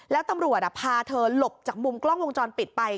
แล้วตำรวจพาเธอหลบจากมุมกล้องวงจรปิดไป